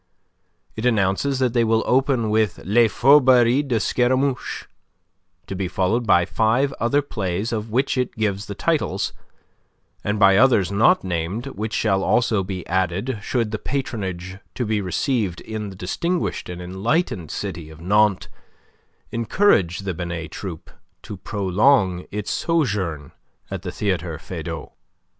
It announces that they will open with "Les Fourberies de Scaramouche," to be followed by five other plays of which it gives the titles, and by others not named, which shall also be added should the patronage to be received in the distinguished and enlightened city of Nantes encourage the Binet Troupe to prolong its sojourn at the Theatre Feydau.